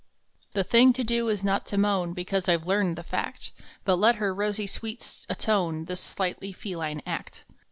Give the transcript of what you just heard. The thing to do is not to moan Because I ve learned the fact, But let her rosy sweets atone The slightly feline act.